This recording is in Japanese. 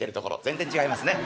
全然違いますね。